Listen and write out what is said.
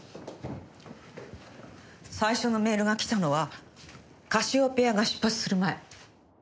最初のメールが来たのはカシオペアが出発する前。